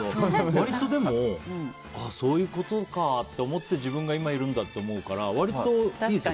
割とそういうことかって思って自分が今いるんだと思うから割といいですよ。